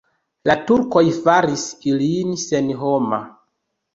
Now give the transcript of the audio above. La turkoj faris ilin senhoma.